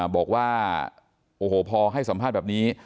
บอกว่าโอ้โหพอให้สัมภาษณ์แบบนี้